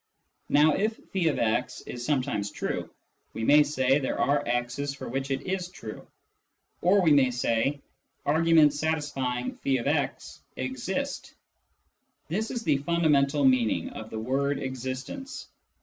Now if <f>x is sometimes true, we may say there are x's for which it is true, or we may say " arguments satisfying <f>x exist." This is the fundamental mean ing of the word " existence."